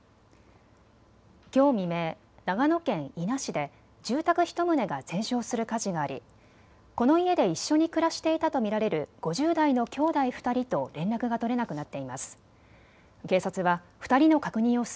きょう未明、長野県伊那市で住宅１棟が全焼する火事がありこの家で一緒に暮らしていたと見られる５０代の兄弟２人と連絡が取れなくなっています。